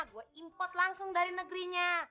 gue import langsung dari negerinya